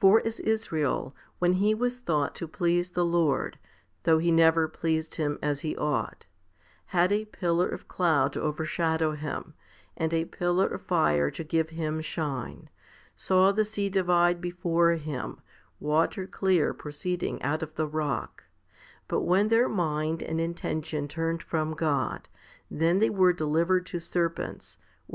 For as Israel, when he was thought to please the Lord though he never pleased Him as he ought had a pillar of cloud to overshadow him, and a pillar of fire to give him shine; saw the sea divide before him, water clear pro ceeding out of the rock ; but when their mind and intention turned from God, then they were delivered to serpents, or 1 Luke xv.